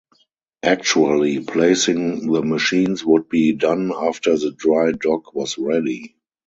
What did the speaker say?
Actually placing the machines would be done after the dry dock was ready.